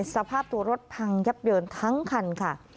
สภาพตัวรถพังยับเยินทั้งคันค่ะ